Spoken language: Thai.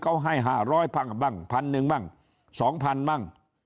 ก็ให้๕๐๐พันธุ์บ้าง๑๐๐๐บ้าง๒๐๐๐บ้าง